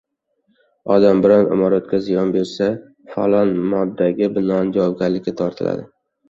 Odam biron imoratga ziyon bersa — falon moddaga binoan javobgarlikka tortiladi.